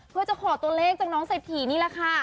เพื่อจะขอตัวเลขจากน้องเศรษฐีนี่แหละค่ะ